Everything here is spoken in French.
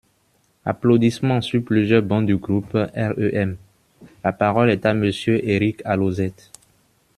(Applaudissements sur plusieurs bancs du groupe REM.) La parole est à Monsieur Éric Alauzet.